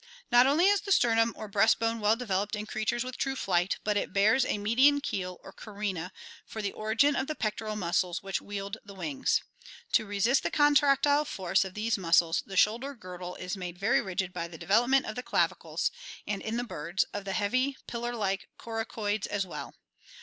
— Not only is the sternum or breast bone well developed in creatures with true flight, but it bears a median keel or carina for the origin of the pectoral muscles which wield the wings. To resist the contractile force of these muscles the shoulder girdle is made very rigid by the development of the clavicles and, in the birds, of the heavy pillar like coracoids as well.